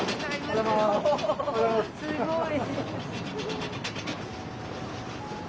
おすごい。